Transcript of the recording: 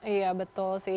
iya betul sih